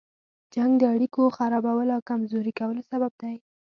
جنګ د اړيکو خرابولو او کمزوري کولو سبب دی.